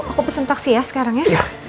aku pesen taksi ya sekarang ya